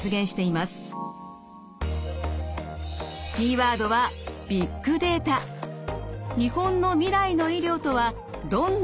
キーワードは日本の未来の医療とはどんなものなのか？